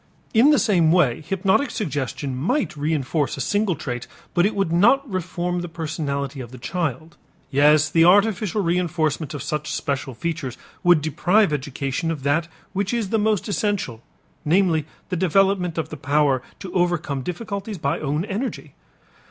In the same way hypnotic suggestion might reënforce a single trait but would not reform the personality of the child. Yes, the artificial reënforcement of such special features would deprive education of that which is the most essential, namely, the development of the power to overcome difficulties by own energy.